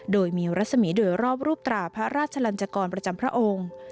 โดยมีรัศมีร์โดยรอบรูปตราพระราชลันจกรประจำพระองค์